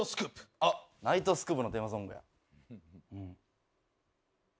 あっ、ナイトスクープのテーマソングや。